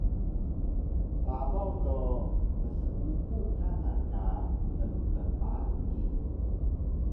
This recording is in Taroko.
Babaw do mseupu kana ka empbaki